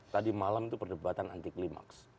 tadi malam itu perdebatan anti klimaks